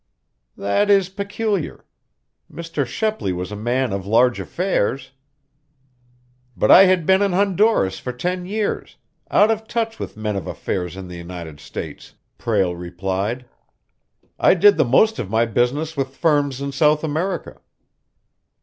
"That is peculiar. Mr. Shepley was a man of large affairs." "But I had been in Honduras for ten years, out of touch with men of affairs in the United States," Prale replied. "I did the most of my business with firms in South America."